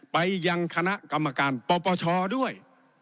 ไปยังคณะกรรมการปปชด้วย